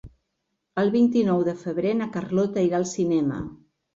El vint-i-nou de febrer na Carlota irà al cinema.